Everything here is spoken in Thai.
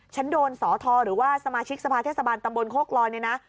ฉันโดนสอทอหรือว่าสมาชิกสภาเทศบาลตำบลโคกลอยเนี่ยนะ